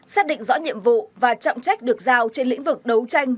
xác định rõ nhiệm vụ và trọng trách được giao trên lĩnh vực đấu tranh